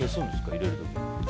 入れる時に。